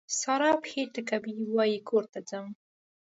سارا پښې ټکوي؛ وای کور ته ځم.